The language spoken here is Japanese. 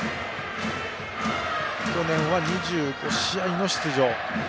去年は２５試合の出場。